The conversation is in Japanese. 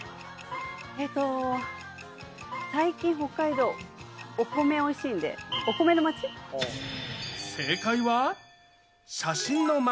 えっと、最近北海道、お米おいしいんで、お米の町？